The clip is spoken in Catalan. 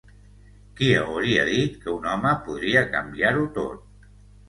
Qui hauria dit que un home podria canviar-ho tot.